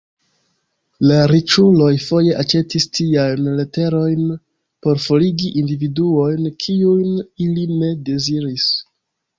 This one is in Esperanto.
La riĉuloj foje aĉetis tiajn leterojn por forigi individuojn kiujn ili ne deziris.